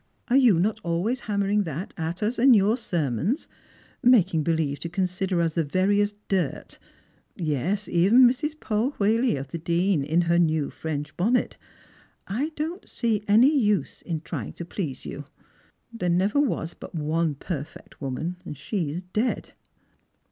Are you not always hammering that at us in your sermons, making believe to consider us the veriest dirt — yes, eveu Mrs. Polwhele, of the Dene, in her new French bounet ? I don't Stranijers and Iftlgrt mt. 61 lee any use in trying to please you. There never was 1 ^ut one perfect woman, and she is dead."